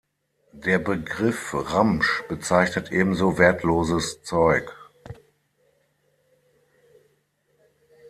Der Begriff Ramsch bezeichnet ebenso wertloses Zeug.